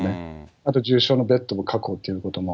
あと重症のベッドの確保ということも。